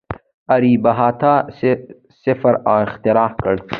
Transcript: آریابهټا صفر اختراع کړ.